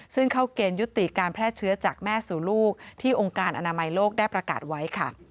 ซึ่งเข้าเกณฑ์ยุติการแพร่เชื้อจากแม่สู่ลูกที่องค์การอนามัยโลกได้ประกาศไว้ค่ะ